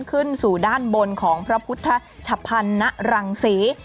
ขึ้นสู่ด้านบนของพระพุทธชะพันนรังศรี